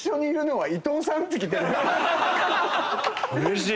うれしい。